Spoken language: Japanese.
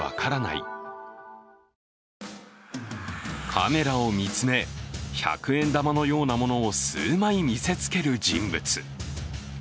カメラを見つめ、百円玉のようなものを数枚、見せつける人物。